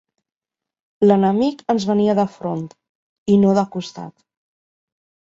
L'enemic ens venia de front, i no de costat.